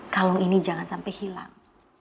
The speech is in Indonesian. kalau ini jangan sampai hilang